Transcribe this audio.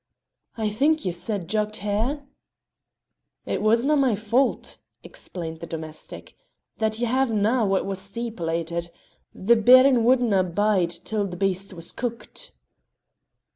"I think ye said jugged hare?" "It wasna my faut," explained the domestic, "that ye havena what was steepulated; the Baron wadna bide till the beast was cooked."